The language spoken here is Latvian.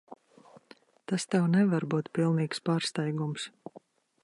Tas tev nevar būt pilnīgs pārsteigums.